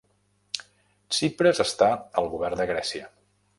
Tsipras està al govern de Grècia